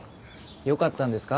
よかったんですか？